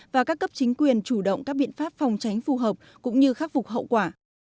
và các cấp chính quyền chủ động các biện pháp phòng tránh phù hợp cũng như khắc phục hậu quả